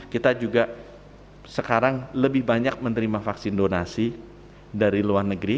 kita juga sekarang lebih banyak menerima vaksin donasi dari luar negeri